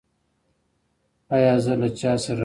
ایا زه له چا سره راشم؟